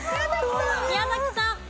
宮崎さん。